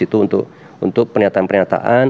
itu untuk penyataan penyataan